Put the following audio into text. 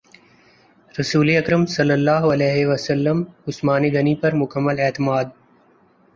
رسول اکرم صلی اللہ علیہ وسلم عثمان غنی پر مکمل اعتماد